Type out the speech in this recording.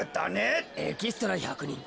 エキストラ１００にん